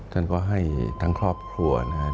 ท่านก็ให้ทั้งครอบครัวนะครับ